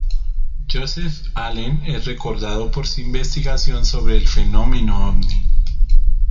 Josef Allen es recordado por su investigación sobre el fenómeno ovni.